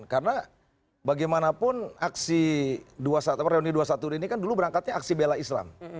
karena bagaimanapun reuni dua ratus dua belas ini kan dulu berangkatnya aksi bela islam